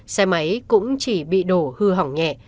xe máy cũng chỉ bị đổ hư hỏng nhẹ